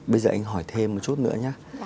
bây giờ anh hỏi thêm một chút nữa nhé